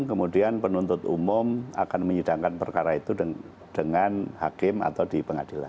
kemudian penuntut umum akan menyidangkan perkara itu dengan hakim atau di pengadilan